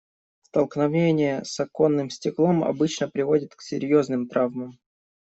Столкновение с оконным стеклом обычно приводит к серьёзным травмам.